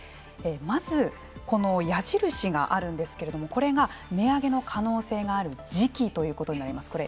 まず、この矢印があるんですけれどもこれが値上げの可能性がある時期によることということになります。